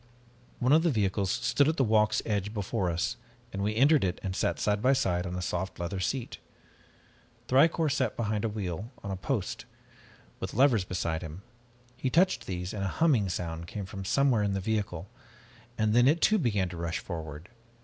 "One of the vehicles stood at the walk's edge before us, and we entered it and sat side by side on a soft leather seat. Thicourt sat behind a wheel on a post, with levers beside him. He touched these and a humming sound came from somewhere in the vehicle and then it too began to rush forward.